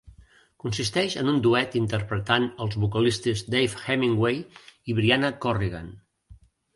Consisteix en un duet interpretant als vocalistes Dave Hemingway i Briana Corrigan.